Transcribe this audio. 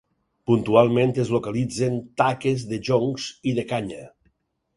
Puntualment es localitzen taques de joncs i de canya.